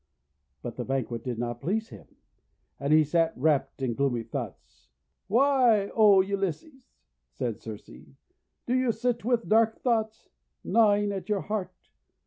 But the banquet did not please him, and he sat wrapped in gloomy thoughts. 'Why, O Ulysses," said Circe, "do you sit with dark thoughts gnawing at your heart?